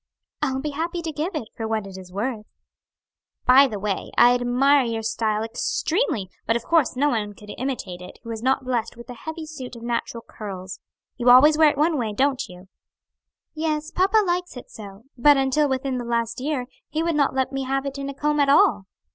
"I'll be happy to give it for what it is worth." "By the way, I admire your style extremely; but of course no one could imitate it who was not blessed with a heavy suit of natural curls. You always wear it one way, don't you?" "Yes, papa likes it so, but until within the last year, he would not let me have it in a comb at all."